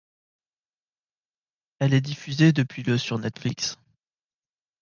Elle est diffusée depuis le sur Netflix.